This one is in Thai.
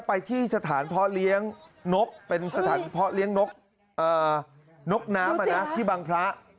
ไปที่สถานเพาะเลี้ยงนกเป็นสถานเพาะเลี้ยงนกน้ำที่บังพระ